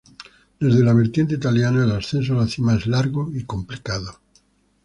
Desde la vertiente italiana el ascenso a la cima es largo y complicado.